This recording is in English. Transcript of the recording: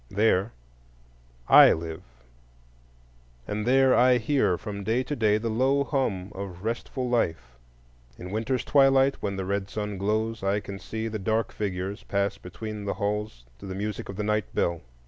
There I live, and there I hear from day to day the low hum of restful life. In winter's twilight, when the red sun glows, I can see the dark figures pass between the halls to the music of the night bell.